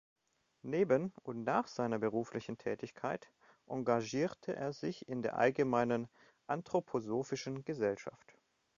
Neben und nach seiner beruflichen Tätigkeit engagierte er sich in der Allgemeinen Anthroposophischen Gesellschaft.